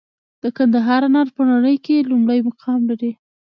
د کندهار انار په نړۍ کې لومړی مقام لري.